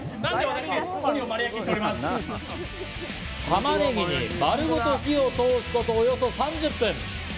玉ねぎに丸ごと火を通すこと、およそ３０分。